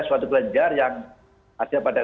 suatu kelenjar yang ada pada